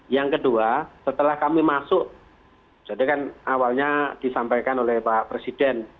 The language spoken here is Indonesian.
yang kedua setelah kami masuk jadi kan awalnya disampaikan oleh pak presiden